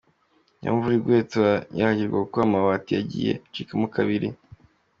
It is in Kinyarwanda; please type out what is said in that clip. Iyo imvura iguye turanyagirwa kuko amabati yagiye acikamo kabiri.